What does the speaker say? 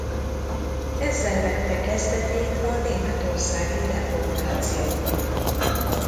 Ezzel vette kezdetét a németországi reformáció.